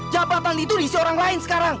jabatan itu diisi orang lain sekarang